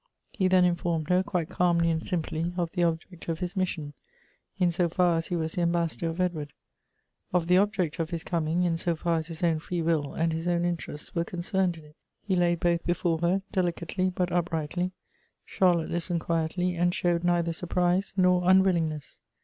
He then informed her, quite calmly and simply, of the object of his mission, in so far as he was the am bassador of Edward; of the object of his coming, in so far as his own free will and his own interests were con cerned in it. He laid both before her, delicately but uprightly ; Charlotte listened quietly, and showed neitho! surprise nor unwillingness.